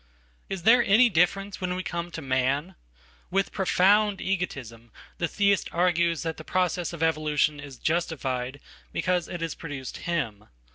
Is there any difference when we come to man? With profoundegotism the Theist argues that the process of evolution isjustified because it has produced him.